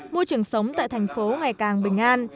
môi trường sống tại thành phố ngày càng bình an